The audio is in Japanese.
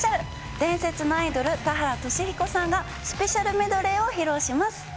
伝説のアイドル、田原俊彦さんが、スペシャルメドレーを披露します。